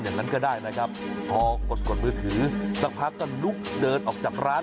อย่างนั้นก็ได้นะครับพอกดกดมือถือสักพักก็ลุกเดินออกจากร้าน